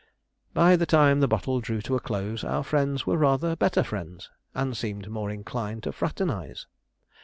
By the time the bottle drew to a close, our friends were rather better friends, and seemed more inclined to fraternize.